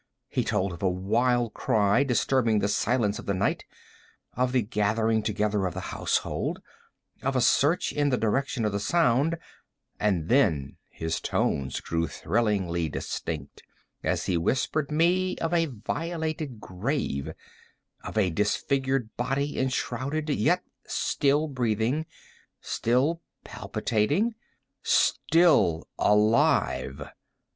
He told of a wild cry disturbing the silence of the night—of the gathering together of the household—of a search in the direction of the sound; and then his tones grew thrillingly distinct as he whispered me of a violated grave—of a disfigured body enshrouded, yet still breathing—still palpitating—still alive!